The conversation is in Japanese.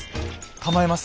構えます